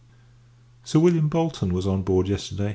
Sir William Bolton was on board yesterday.